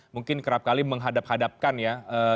mungkin kerap kali menghadap hadapkan ya